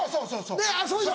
ねっそうでしょ？